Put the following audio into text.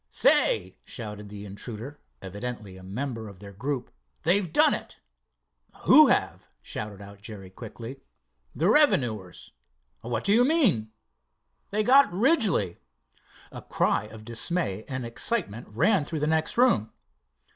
"Say!" shouted the intruder, evidently a member of their group, "they've done it!" "Who have?" shouted out Jerry quickly. "The revenuers." "What do you mean?" "They got Ridgely." A cry of dismay and excitement ran through the next room.